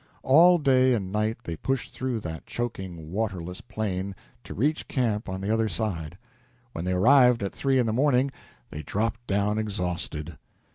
All day and night they pushed through that choking, waterless plain to reach camp on the other side. When they arrived at three in the morning, they dropped down exhausted.